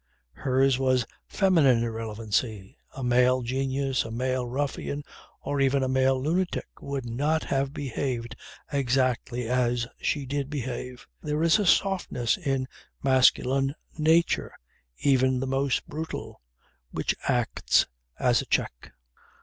Hers was feminine irrelevancy. A male genius, a male ruffian, or even a male lunatic, would not have behaved exactly as she did behave. There is a softness in masculine nature, even the most brutal, which acts as a check.